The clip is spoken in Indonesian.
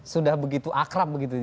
sudah begitu akrab begitu